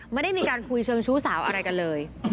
ไม่ได้มีการคุยเชิงชู้สาวอะไรกันเลย